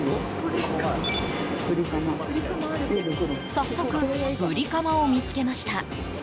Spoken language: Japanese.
早速ブリカマを見つけました。